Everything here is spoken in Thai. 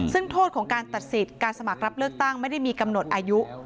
ซึ่งโทษของการตัดสิทธิ์การสมัครรับเลือกตั้งไม่ได้มีกำหนดอายุ